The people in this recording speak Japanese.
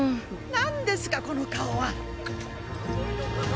なんですかこの顔は！